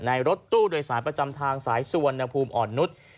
รถตู้โดยสารประจำทางสายสุวรรณภูมิอ่อนนุษย์